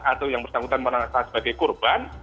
atau yang bersangkutan merasa sebagai korban